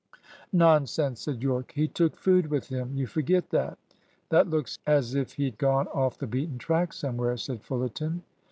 "Nonsense!" said Yorke. "He took food with him. You forget that." "That looks as if he'd gone off the beaten track somewhere," said Fullerton.